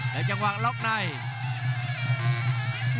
ในจังหวาล็อกไนค์